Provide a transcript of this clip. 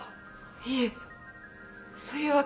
いえそういうわけでは。